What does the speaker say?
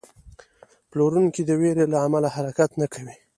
پلورونکی د ویرې له امله حرکت نه کوي.